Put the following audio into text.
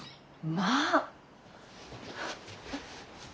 まあ。